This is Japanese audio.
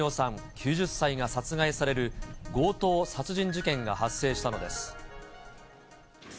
９０歳が殺害される強盗殺人事件が発生したのです。